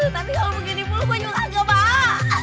tapi kalau begini pun gua juga gak bakal